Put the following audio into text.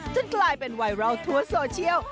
กลายเป็นไวรัลทั่วโซเชียล